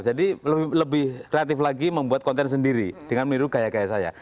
jadi lebih kreatif lagi membuat konten sendiri dengan meniru kaya kaya saya